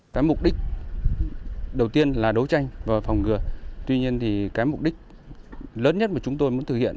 cái mục đích đầu tiên là đấu tranh và phòng ngừa tuy nhiên thì cái mục đích lớn nhất mà chúng tôi muốn thực hiện